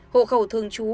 hộ khẩu thường chú